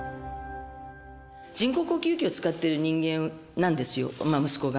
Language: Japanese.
人工呼吸器を使っている人間なんですよ、息子が。